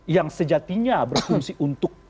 yang sejatinya berfungsi untuk